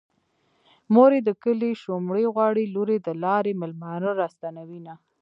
مور يې د کلي شومړې غواړي لور يې د لارې مېلمانه راستنوينه